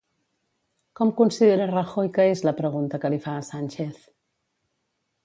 Com considera Rajoy que és la pregunta que li fa a Sánchez?